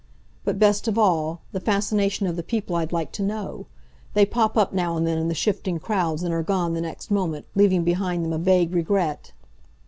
But best of all, the fascination of the People I'd Like to Know. They pop up now and then in the shifting crowds, and are gone the next moment, leaving behind them a vague regret.